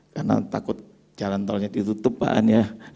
karena takut jalan tolnya ditutup pak an ya